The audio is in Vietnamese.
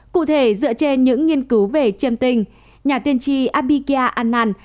cụ thể dựa trên những nghiên cứu về chêm tinh nhà tiên tri abhigya anand